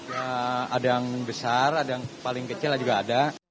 ya ada yang besar ada yang paling kecil juga ada